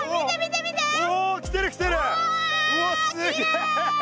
うわっすげえ！